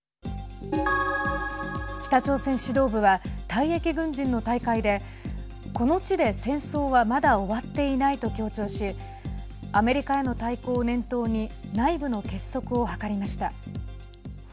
北朝鮮指導部は退役軍人の大会でこの地で、戦争はまだ終わっていないと強調しアメリカへの対抗を念頭に内部の結束を図りました。